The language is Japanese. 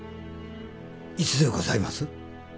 いつでございます？